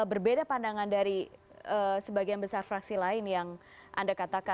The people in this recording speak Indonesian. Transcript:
berbeda pandangan dari sebagian besar fraksi lain yang anda katakan